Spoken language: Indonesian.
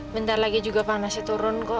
bentar lagi juga panasnya turun kok